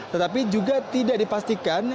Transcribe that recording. tetapi juga tidak dipastikan